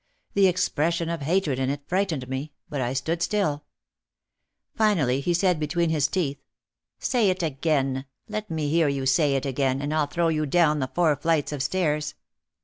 The expression of hatred in it frightened me, but I stood still. Finally he said be tween his teeth, "Say it again. Let me hear you say it again and I'll throw you down the four flights of stairs."